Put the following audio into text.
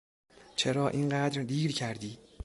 چرا اینقدر دیر کردی؟